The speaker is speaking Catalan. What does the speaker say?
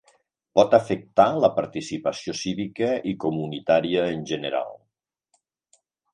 Pot afectar la participació cívica i comunitària en general.